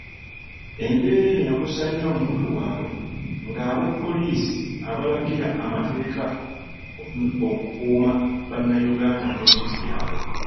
Embeera eno yakosa nnyo omuntu waabwe ng'abapoliisi abalagira amateeka okukuuma Bannayuganda n'ebintu byabwe.